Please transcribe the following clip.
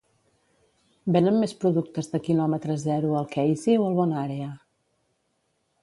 Venen més productes de quilòmetre zero al Keisy o al BonÀrea?